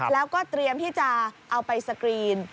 แล้วก็เตรียมที่จะเอาไปสกรีน